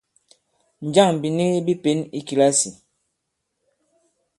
Njâŋ bìnigi bi pěn i kìlasì ?